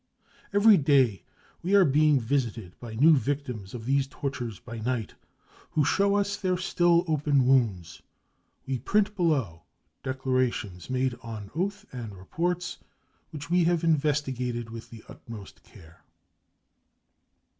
" Every day we are being visited by new victims of these 196 BROWN BOOK OF THE HITLER TERROR tortures by night, who show us their still open ^n^which print below declarations made on oath and reports wh we have investigated with the utmost care.